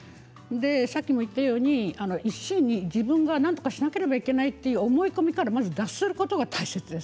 さっきも言ったように、一心に自分がなんとかしなければならないという思い込みからまず脱することが大切です。